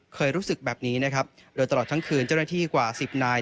เคยรู้สึกแบบนี้นะครับโดยตลอดทั้งคืนเจ้าหน้าที่กว่าสิบนาย